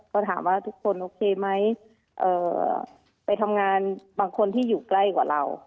ก็ถามว่าทุกคนโอเคไหมไปทำงานบางคนที่อยู่ใกล้กว่าเรา